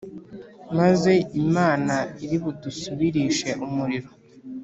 Maze Imana iri budusubirishe umuriro